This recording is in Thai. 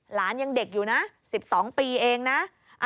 หลานยังเด็กอยู่นะ๑๒ปีเองนะ